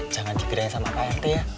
jangan digedahin sama pak rt ya